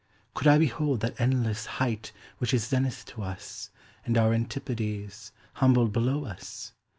Could I behold that endlesse height which isZenith to us, and our Antipodes, Humbled below us?